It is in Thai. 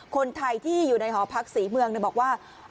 คนไทยที่อยู่ในหอพักศรีเมืองบอกว่า